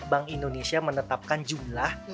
bank indonesia menetapkan jumlah